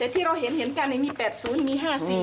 ที่เราเห็นกันมี๘๐มี๕๔